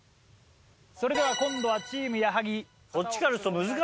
それでは今度はチーム矢作。